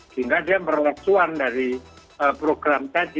sehingga dia merelesuan dari program tadi